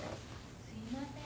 すいません。